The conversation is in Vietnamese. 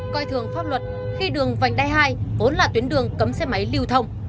coi thường pháp luật khi đường vành đai hai vốn là tuyến đường cấm xe máy lưu thông